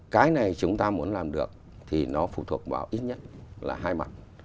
cái này chúng ta muốn làm được thì nó phụ thuộc vào ít nhất là hai mặt